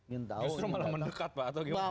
justru malah mendekat pak atau gimana